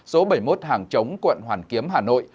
số bảy mươi một hàng chống quận hoàn kiếm hà nội